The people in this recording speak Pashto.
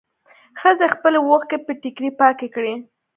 ښځې خپلې اوښکې په ټيکري پاکې کړې.